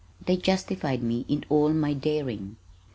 They justified me in all my daring.